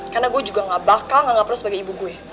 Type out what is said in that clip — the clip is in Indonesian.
karena gue juga gak bakal gak perlu sebagai ibu gue